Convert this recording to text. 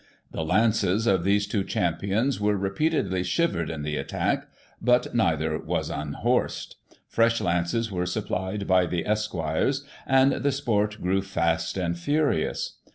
The lances of these two champions were repeatedly shivered in the attack, but neither was unhorsed ; fresh lances were supplied by the esquires, and the sport grew * fast and furious.'